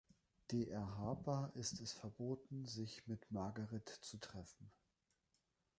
Dr. Harper ist es verboten, sich mit Margaret zu treffen.